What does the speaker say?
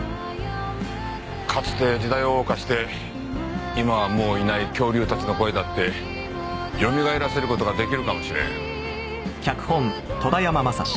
かつて時代を謳歌して今はもういない恐竜たちの声だってよみがえらせる事が出来るかもしれん。